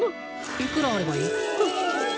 いくらあればいい？